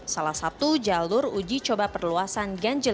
salah satu jalur uji coba perluasan ganjil